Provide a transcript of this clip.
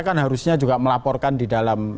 kan harusnya juga melaporkan di dalam